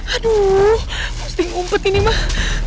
aduh ngumpet ini mah